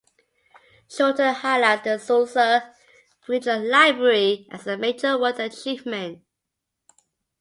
Schulter highlights the Sulzer Regional Library as a major ward achievement.